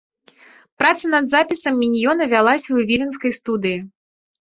Праца над запісам міньёна вялася ў віленскай студыі.